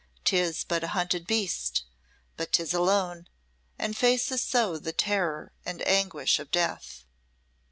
'Tis but a hunted beast; but 'tis alone, and faces so the terror and anguish of death.